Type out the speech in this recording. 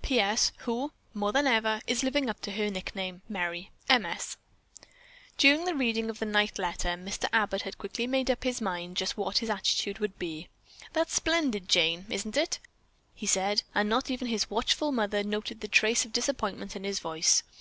"P. S. Who, more than ever, is living up to her nickname, Merry. M. S." During the reading of the "night letter" Mr. Abbott had quickly made up his mind just what his attitude would be. "That's splendid, Jane, isn't it?" he said, and not even his watchful mother noted a trace of disappointment in his voice.